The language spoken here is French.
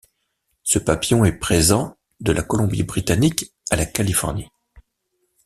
Ce papillon est présent de la Colombie-Britannique à la Californie.